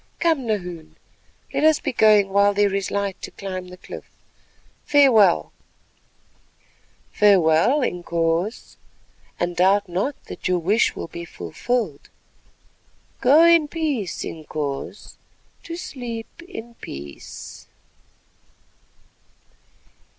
Come, Nahoon, let us be going while there is light to climb the cliff. Farewell." "Farewell Inkoos, and doubt not that your wish will be fulfilled. Go in peace Inkoos—to sleep in peace."